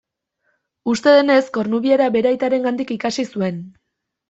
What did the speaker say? Uste denez kornubiera bere aitarengandik ikasi zuen.